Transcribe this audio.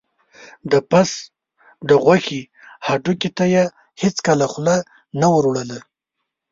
د پس د غوښې هډوکي ته یې هېڅکله خوله نه وروړله.